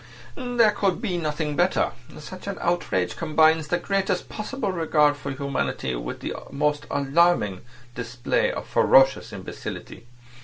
"There could be nothing better. Such an outrage combines the greatest possible regard for humanity with the most alarming display of ferocious imbecility.